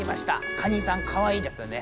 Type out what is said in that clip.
カニさんかわいいですね。